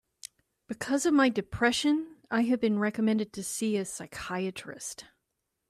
Because of my depression, I have been recommended to see a psychiatrist.